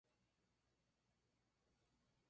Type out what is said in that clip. Posteriormente se añadieron cubos a la muralla exterior.